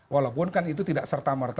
walaupun kan itu tidak serta merta